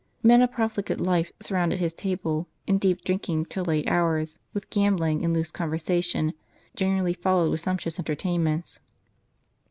Men of profligate life surrounded his table; and deep drinking till late hours, with gambling and loose conversation, generally followed his sumptuous entertainments.